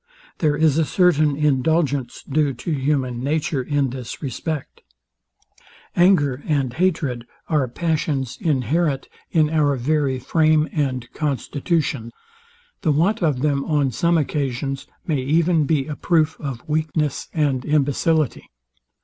There is a certain indulgence due to human nature in this respect. Anger and hatred are passions inherent in Our very frame and constitutions. The want of them, on some occasions, may even be a proof of weakness and imbecillity.